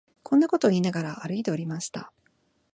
こんなことを言いながら、歩いておりました